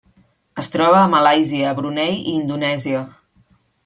Es troba a Malàisia, Brunei i Indonèsia.